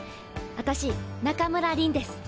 私中村凛です。